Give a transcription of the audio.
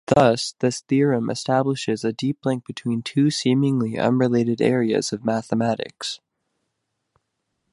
Thus, this theorem establishes a deep link between two seemingly unrelated areas of mathematics.